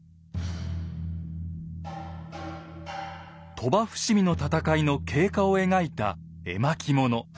鳥羽伏見の戦いの経過を描いた絵巻物。